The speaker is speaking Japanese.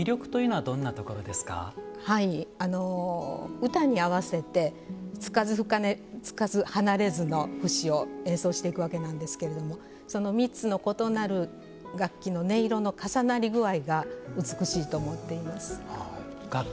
はいあの歌に合わせてつかず離れずの節を演奏していくわけなんですけれどもその３つの異なる楽器の音色の重なり具合が美しいと思っています。